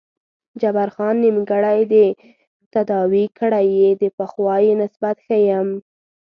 جبار خان: نیمګړی دې تداوي کړی یې، د پخوا په نسبت ښه یم.